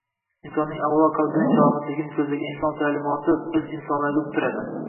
insonning avvalo qalbining salomatligini ko‘zlagan Islom ta’limoti biz insonlarga uqtiradi